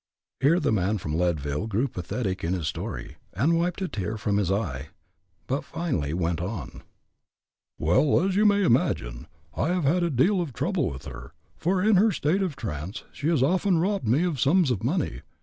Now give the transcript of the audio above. Here the man from Leadville grew pathetic in his story, and wiped a tear from his eye; but finally went on: "Well, as you may imagine, I have had a deal of trouble with her, for in her state of trance she has often robbed me of sums of money.